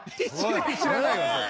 知らないわそれ。